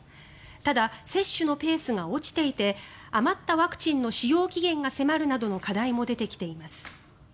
ただ、接種のペースが落ちていて余ったワクチンの使用期限が迫るなどの課題も出てきています。